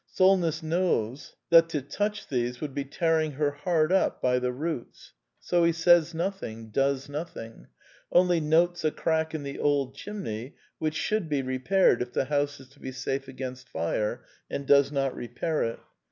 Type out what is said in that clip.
Solness knows that to touch these would be tearing her heart up by the roots. So he says nothing; does nothing; only notes a crack in the old chimney which should be repaired if the house is to be safe against fire, and does not repair it.